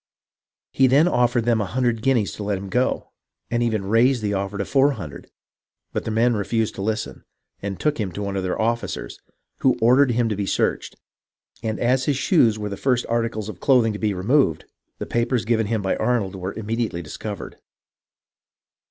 Then he offered them a hundred guineas to let him go, and even raised the offer to four hundred ; but the men refused to listen, and took him to one of their officers, who ordered him to be searched; and as his shoes were the first articles of clothing to be removed, the papers given him by Arnold were immediately discovered.